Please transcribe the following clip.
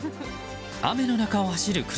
雨の中を走る車。